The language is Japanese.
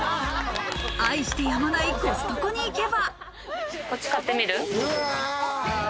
愛してやまないコストコに行けば。